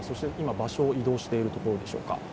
場所を移動しているところでしょうか。